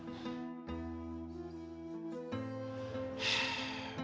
eh tapi kenyataannya jauh ya dari harapan